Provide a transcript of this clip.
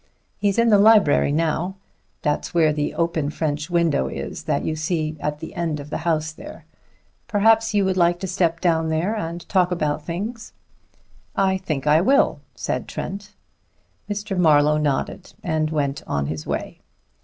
He's in the library now that's where the open French window is that you see at the end of the house there. Perhaps you would like to step down there and talk about things." "I think I will," said Trent. Mr. Marlowe nodded and went on his way.